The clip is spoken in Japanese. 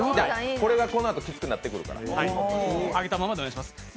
これがこのあときつくなってくるから。